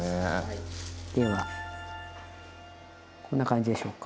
ではこんな感じでしょうか。